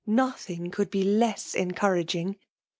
Nothing could be less encouraging."